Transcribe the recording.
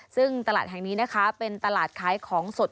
ซึ่งตลาดแห่งนี้นะคะเป็นตลาดขายของสด